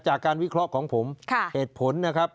จากการวิเคราะห์ของผมเหตุผลนะครับ